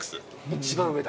一番上だ。